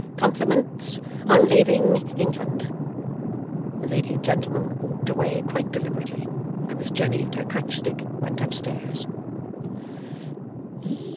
Compliments, on leaving England,' the lady and gentleman walked away quite deliberately, and Miss Jenny and her crutch stick went up stairs.